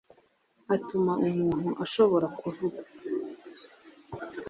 atuma umuntu ashobora kuvuga